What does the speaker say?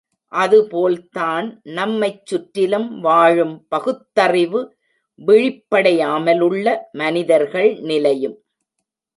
அதுபோல் தான் நம்மைச் சுற்றிலும் வாழும் பகுத்தறிவு விழிப்படையாமலுள்ள மனிதர்கள் நிலையும்.